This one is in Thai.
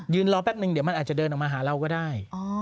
รอแป๊บนึงเดี๋ยวมันอาจจะเดินออกมาหาเราก็ได้